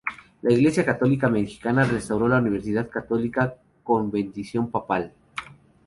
La Iglesia Católica Mexicana restauró la universidad católica, con bendición papal.